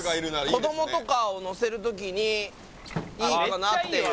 子供とかを乗せる時にいいかなっていう